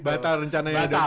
batal rencananya ya dok ya